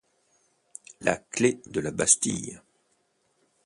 La clef de la Bastille.